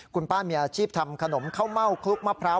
คุณป้ามีอาชีพทำขนมข้าวเม่าคลุกมะพร้าว